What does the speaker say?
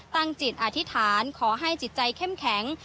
ตั้งจิตอธิษฐานขอให้จิตใจเข้มแข็ง